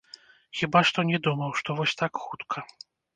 Хіба што не думаў, што вось так хутка.